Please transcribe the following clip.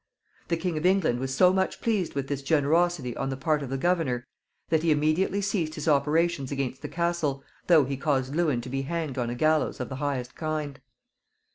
The King of England was so much pleased with this generosity on the part of the governor that he immediately ceased his operations against the castle, though he caused Lewin to be hanged on a gallows of the highest kind.